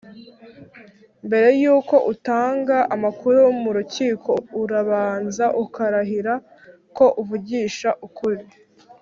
Mbere yuko utanga amakuru mu rukiko urabanza ukarahira ko uvugisha ukuri